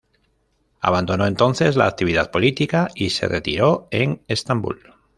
Abandonó entonces la actividad política y se retiró en Estambul.